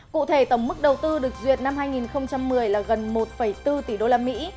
cụ thể tổng mức đầu tư được duyệt năm hai nghìn một mươi là gần một bốn tỷ đô la mỹ